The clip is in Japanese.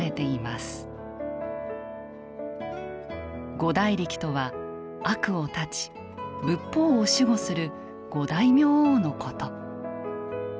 五大力とは悪を絶ち仏法を守護する五大明王のこと。